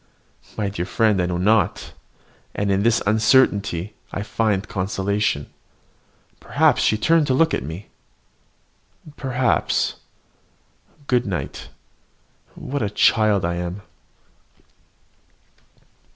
My dear friend, I know not; and in this uncertainty I find consolation. Perhaps she turned to look at me. Perhaps! Good night what a child I am!